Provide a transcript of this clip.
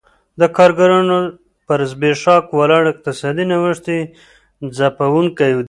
د کارګرانو پر زبېښاک ولاړ اقتصاد نوښت ځپونکی دی